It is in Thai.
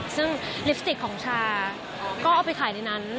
ซึ่งลิปสติกของชาก็เอาไปถ่ายในนั้น